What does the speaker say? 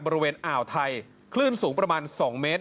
บริเวณอ่าวไทยคลื่นสูงประมาณ๒เมตร